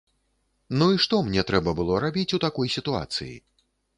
Ну і што мне трэба было рабіць у такой сітуацыі?